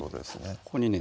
ここにね